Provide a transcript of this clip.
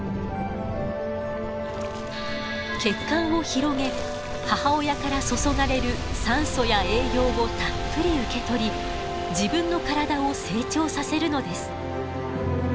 血管を広げ母親から注がれる酸素や栄養をたっぷり受け取り自分の体を成長させるのです。